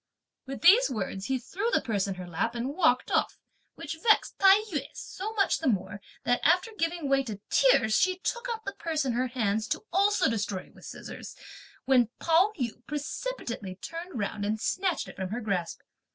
With these words, he threw the purse in her lap and walked off; which vexed Tai yü so much the more that, after giving way to tears, she took up the purse in her hands to also destroy it with the scissors, when Pao yü precipitately turned round and snatched it from her grasp.